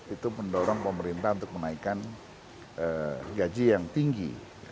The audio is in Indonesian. itu mendorong pemerintah untuk menaikkan gaji yang tinggi